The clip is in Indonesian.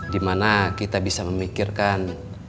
dimana kita bisa memikirkan